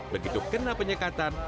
begitu kena penyekatan